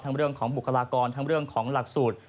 เรื่องของบุคลากรทั้งเรื่องของหลักสูตร